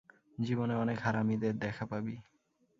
জীবনে অনেক হারামিদের দেখা পাবি।